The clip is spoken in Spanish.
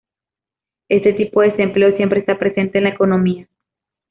Este tipo de desempleo siempre está presente en la economía.